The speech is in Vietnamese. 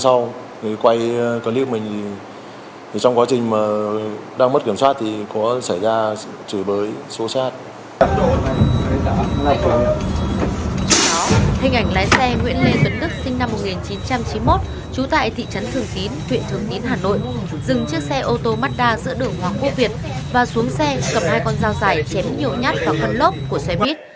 tuyện thường tín hà nội dừng chiếc xe ô tô mazda giữa đường hoàng quốc việt và xuống xe cầm hai con dao dài chém nhộ nhát vào con lốc của xe bus